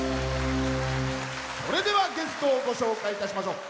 それではゲストをご紹介いたしましょう。